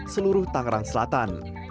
seluruh tangerang selatan